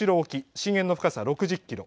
震源の深さ６０キロ。